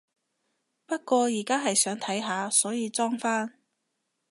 不過而家係想睇下，所以裝返